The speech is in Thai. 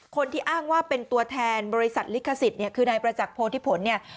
คนที่อ้างว่าเป็นตัวแทนบริษัทลิขสิทธิ์เนี่ยคือนายประจักษ์โพธิผลเนี่ย